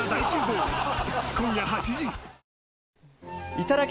いただき！